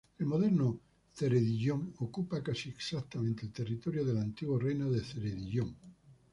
El moderno Ceredigion ocupa casi exactamente el territorio del antiguo reino de Ceredigion.